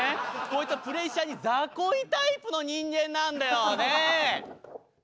こいつはプレッシャーにザコいタイプの人間なんだよね。